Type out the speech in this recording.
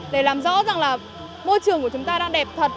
để làm rõ rằng là môi trường của chúng ta đang đẹp thật